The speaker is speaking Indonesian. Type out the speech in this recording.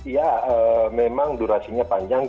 ya memang durasinya panjang